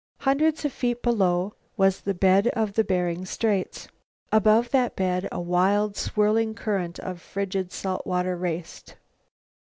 Hundreds of feet below was the bed of Bering Straits. Above that bed a wild, swirling current of frigid salt water raced.